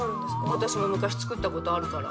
私も昔作った事あるから。